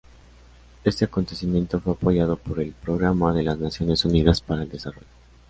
Este acontecimiento fue apoyado por el Programa de las Naciones Unidas para el Desarrollo.